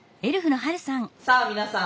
さあ皆さん